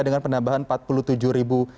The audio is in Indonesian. dengan penambahan empat puluh tujuh ribu